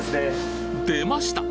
出ました！